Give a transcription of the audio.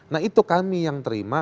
nah itu kami yang terima